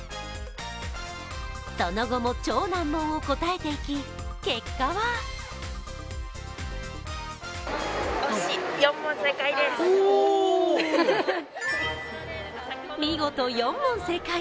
その後も超難問を答えていき結果は見事４問正解。